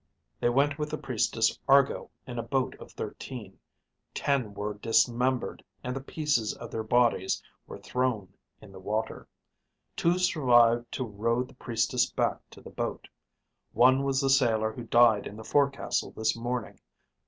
They went with the Priestess Argo in a boat of thirteen. Ten were dismembered and the pieces of their bodies were thrown in the water. Two survived to row the Priestess back to the boat. One was the sailor who died in the forecastle this morning.